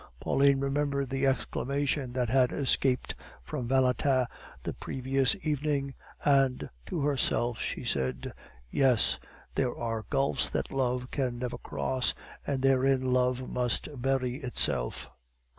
Pauline remembered the exclamation that had escaped from Valentin the previous evening, and to herself she said: "Yes, there are gulfs that love can never cross, and therein love must bury itself."